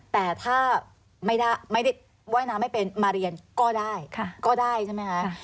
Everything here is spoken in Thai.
แต่ถ้าไม่ได้ว่ายน้ำไม่เป็นมาเรียนก็ได้ก็ได้ใช่ไหมคะ